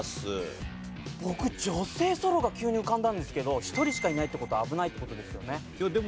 僕女性ソロが急に浮かんだんですけど１人しかいないって事は危ないって事ですよね。